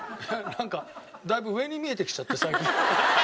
なんかだいぶ上に見えてきちゃって最近。